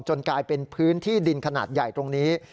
กลายเป็นพื้นที่ดินขนาดใหญ่ตรงนี้